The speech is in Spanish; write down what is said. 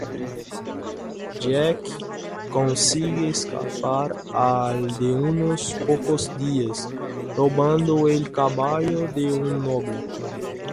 Jack consigue escapar al de unos pocos días, robando el caballo de un noble.